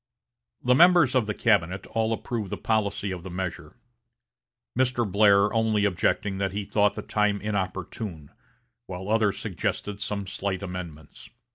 The members of the cabinet all approved the policy of the measure; Mr. Blair only objecting that he thought the time inopportune, while others suggested some slight amendments.